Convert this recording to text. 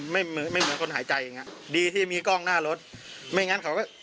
ไม่เหมือนไม่เหมือนคนหายใจอย่างเงี้ดีที่มีกล้องหน้ารถไม่งั้นเขาก็